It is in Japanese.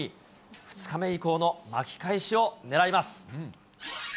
２日目以降の巻き返しを狙います。